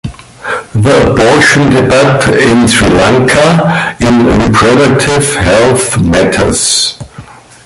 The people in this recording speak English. "The Abortion Debate in Sri Lanka," in Reproductive Health Matters.